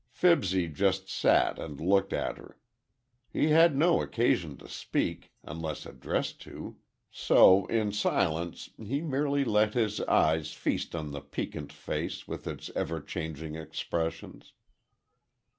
Fibsy just sat and looked at her. He had no occasion to speak, unless addressed, so, in silence he merely let his eyes feast on the piquant face with its ever changing expressions.